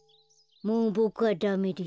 もうボクはダメです。